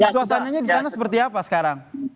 suasananya di sana seperti apa sekarang